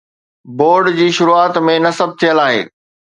board جي شروعات ۾ نصب ٿيل آهي